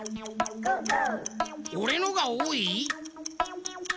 おれのがおおい？